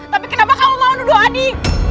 tapi kenapa kamu mau nuduh adik